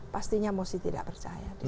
pastinya mesti tidak percaya